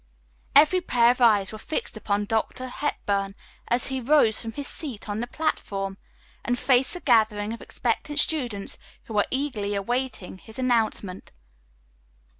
Every pair of eyes was fixed upon Dr. Hepburn as he rose from his seat on the platform and faced the gathering of expectant students who were eagerly awaiting his announcement.